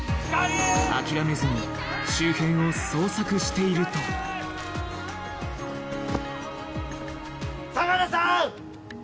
諦めずに周辺を捜索していると相良さん！